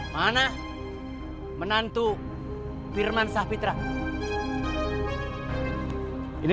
mana menantu firman sahpitra ini